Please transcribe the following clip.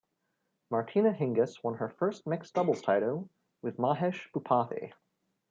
Martina Hingis won her first mixed doubles title with Mahesh Bhupathi.